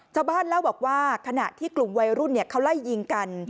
เจ้าบ้านเล่าบอกว่าขณะที่กลุ่มใร่รุ่นค่าวไล่ยิงกัน